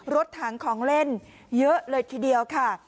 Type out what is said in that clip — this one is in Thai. รถถังของเล่นเยอะเลยทีเดียวค่ะ